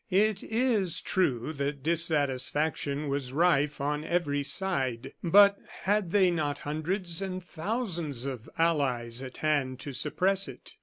It is true that dissatisfaction was rife on every side, but had they not hundreds and thousands of allies at hand to suppress it?